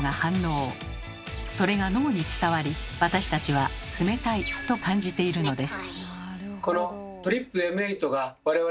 それが脳に伝わり私たちは「冷たい」と感じているのです。